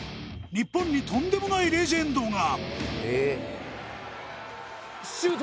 日本にとんでもないレジェンドが！